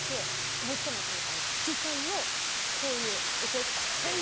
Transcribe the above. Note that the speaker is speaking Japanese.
おぼっちゃまくんみたいな七三の、こういう怒った。